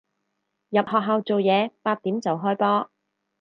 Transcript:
入學校做嘢，八點就開波